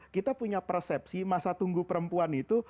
kita punya persepsi masa tunggu perempuan itu